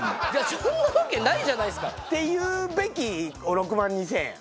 そんなわけないじゃないですか。っていうべき６万２０００円や。